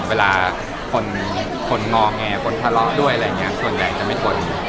เวลาคนงอแงคนทะเลาะด้วยอะไรอย่างนี้ส่วนใหญ่จะไม่ทน